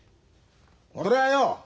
俺はよ